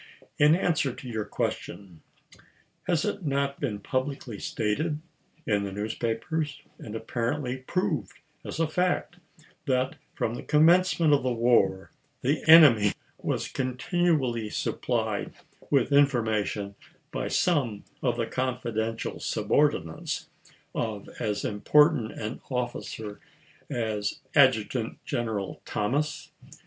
In answer to your question, Has it not been publicly stated in the newspapers, and apparently proved as a fact, that from the commencement of the war the enemy was continually supplied with in formation by some of the confidential subordinates of as important an oflicer as Adjutant General Thomas'?